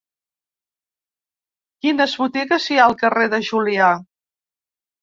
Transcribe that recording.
Quines botigues hi ha al carrer de Julià?